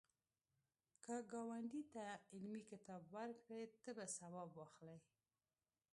که ګاونډي ته علمي کتاب ورکړې، ته به ثواب واخلی